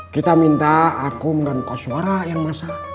kita minta akum dan koswara yang masak